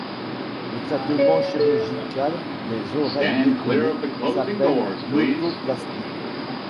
Le traitement chirurgical des oreilles décollées s'appelle l'otoplastie.